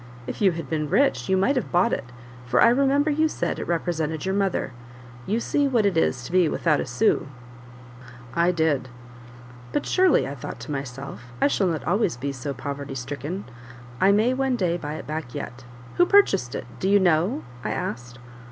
If you had been rich, you might have bought it, for I remember you said it represented your mother: you see what it is to be without a sou." I did. "But surely," I thought to myself, "I shall not always be so poverty stricken; I may one day buy it back yet. Who purchased it? do you know?" I asked.